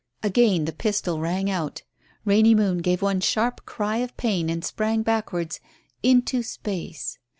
Again the pistol rang out. Rainy Moon gave one sharp cry of pain and sprang backwards into space.